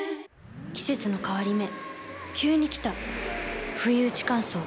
季節の変わり目急に来たふいうち乾燥。